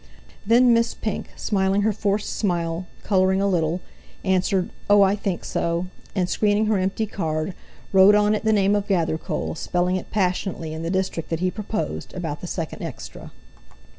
Then Miss Pink, smiling her forced smile, colouring a little, answered: "Oh! I think so!" and screening her empty card, wrote on it the name of Gathercole, spelling it passionately in the district that he proposed, about the second extra.